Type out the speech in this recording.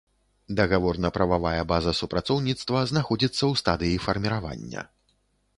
Дагаворна-прававая база супрацоўніцтва знаходзіцца ў стадыі фарміравання.